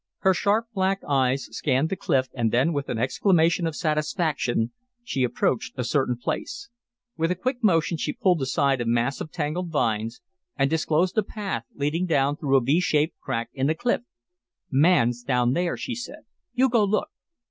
Her sharp, black eyes scanned the cliff and then with an exclamation of satisfaction she approached a certain place. With a quick motion she pulled aside a mass of tangled vines, and disclosed a path leading down through a V shaped crack in the cliff. "Mans down there," she said. "You go look."